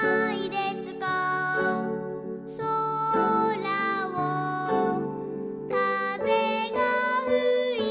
「そらをかぜがふいて」